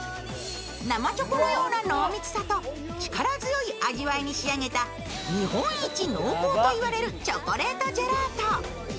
生チョコのような濃密さと力強い味わいに仕上げた日本一濃厚といわれるチョコレートジェラート。